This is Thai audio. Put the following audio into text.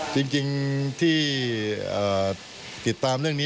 จริงที่ติดตามเรื่องนี้